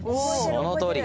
そのとおり。